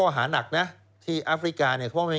เพราะฉะนั้นคุณมิ้นท์พูดเนี่ยตรงเป้งเลย